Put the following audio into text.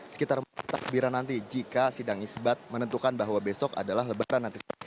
sekitar takbiran nanti jika sidang isbat menentukan bahwa besok adalah lebaran nanti